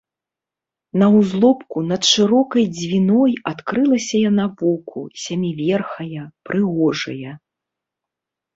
На ўзлобку над шырокай Дзвіной адкрылася яна воку, сяміверхая, прыгожая.